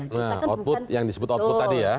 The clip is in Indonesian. nah output yang disebut output tadi ya